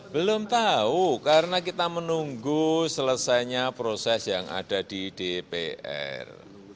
belum tahu karena kita menunggu selesainya proses yang ada di dpr